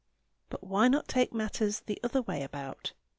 But why not take matters the other way about?